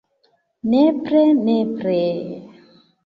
Nepre, nepre...